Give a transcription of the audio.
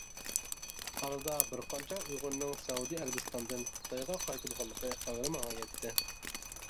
ئارىدا بىر قانچە ئۇيغۇرنىڭ سەئۇدى ئەرەبىستاندىن خىتايغا قايتۇرۇلغانلىقى خەۋىرى ماڭا يەتتى.